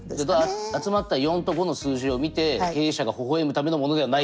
集まった４と５の数字をみて経営者が微笑むためのものではないってこと。